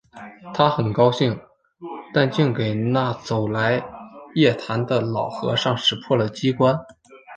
他很高兴；但竟给那走来夜谈的老和尚识破了机关